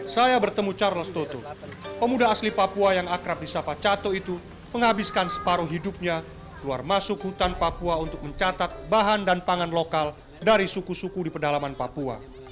saya bertemu charles toto pemuda asli papua yang akrab di sapa cato itu menghabiskan separuh hidupnya keluar masuk hutan papua untuk mencatat bahan dan pangan lokal dari suku suku di pedalaman papua